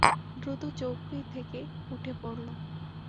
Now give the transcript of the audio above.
দ্রুত চৌকি থেকে উঠে পড়ল।